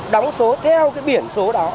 đóng số theo cái biển số đó